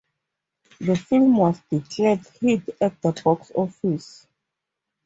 The film was declared "Hit" at the box office.